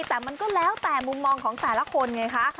แต่มันก็แล้วแต่มุมมองของแต่ละคนไงคะ